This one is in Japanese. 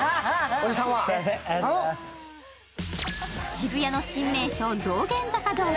渋谷の新名所、道玄坂通。